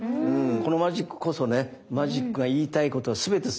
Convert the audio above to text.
このマジックこそねマジックが言いたいこと全て詰まってまして。